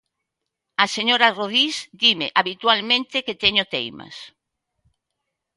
A señora Rodís dime habitualmente que teño teimas.